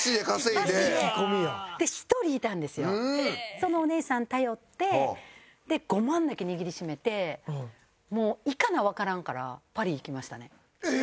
そのお姉さん頼って５万だけ握りしめてもう行かなわからんからパリ行きましたね。